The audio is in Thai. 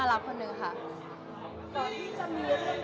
แล้วหลังจากที่เกิดหลายอย่างมันประกวดอีกตอนเนี้ย